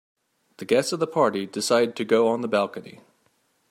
The guests of the party decided to go on the balcony.